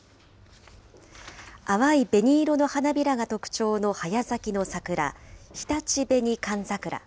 淡い紅色の花びらが特徴の早咲きの桜、日立紅寒桜。